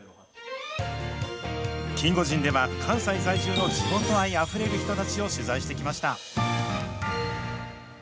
キンゴジンでは、関西在住の地元愛あふれる人たちを取材してきました。